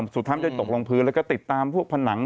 สุดท้ายมันจะตกลงพื้นแล้วก็ติดตามพวกผนัง